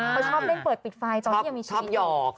เขาชอบเล่นเปิดปิดไฟตอนที่ยังมีชีวิตอยู่